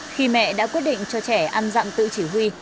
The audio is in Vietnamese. khi mẹ đã quyết định cho trẻ ăn dặm tự chỉ huy